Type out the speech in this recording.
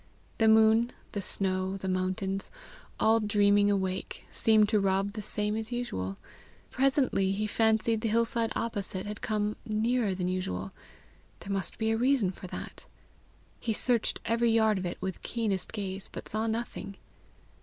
The moon, the snow, the mountains, all dreaming awake, seemed to Rob the same as usual; but presently he fancied the hillside opposite had come nearer than usual: there must be a reason for that! He searched every yard of it with keenest gaze, but saw nothing.